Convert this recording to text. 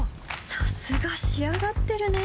さすが仕上がってるね